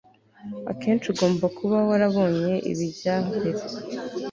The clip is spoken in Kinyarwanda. akenshi ugomba kuba wababonye ibijya mbere